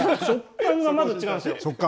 食感がまず違うんです。